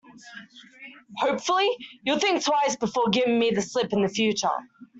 Hopefully, you'll think twice before giving me the slip in future.